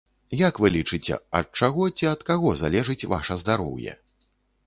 Як вы лічыце, ад чаго ці ад каго залежыць ваша здароўе?